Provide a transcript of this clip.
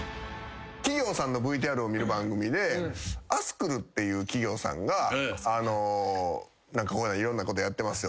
企業さんのＶＴＲを見る番組で。っていう企業さんがいろんなことやってますよ。